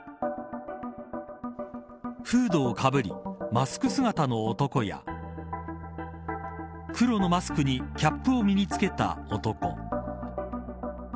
フードをかぶり、マスク姿の男や黒のマスクにキャップを身につけた男。